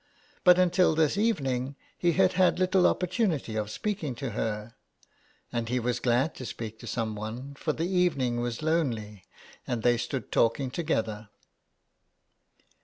But until this evening he had had little opportunity of speaking to her, and he was glad to speak to some one, for the evening was lonely, and they stood talk ing together.